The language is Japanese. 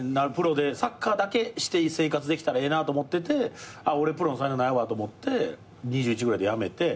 サッカーだけして生活できたらええなと思ってて俺プロの才能ないわと思って２１ぐらいでやめて。